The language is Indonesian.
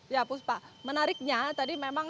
ya puspa menariknya tadi memang